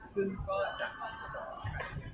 ซึ่งก็อาจจะมองกันต่อไป